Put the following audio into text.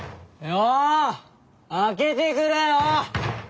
よう開けてくれよ！